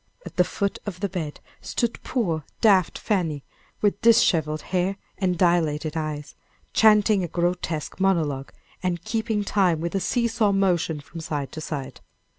At the foot of the bed stood poor daft Fanny, with disheveled hair and dilated eyes, chanting a grotesque monologue, and keeping time with a see saw motion from side to side.